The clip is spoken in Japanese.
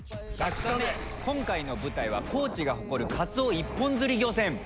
今回の舞台は高知が誇るカツオ一本釣り漁船。